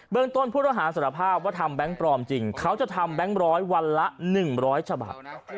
ต้นผู้ต้องหาสารภาพว่าทำแบงค์ปลอมจริงเขาจะทำแบงค์ร้อยวันละ๑๐๐ฉบับ